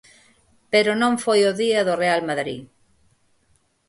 Pero non foi o día do Real Madrid.